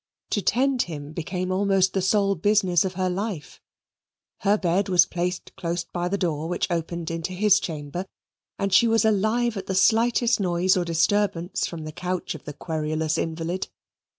To tend him became almost the sole business of her life. Her bed was placed close by the door which opened into his chamber, and she was alive at the slightest noise or disturbance from the couch of the querulous invalid.